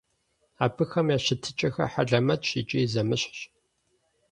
Абыхэм я щытыкӀэхэр хьэлэмэтщ икӀи зэмыщхьщ.